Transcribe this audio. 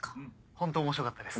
ホント面白かったです。